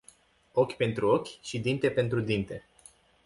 Ochi pentru ochi și dinte pentru dinte.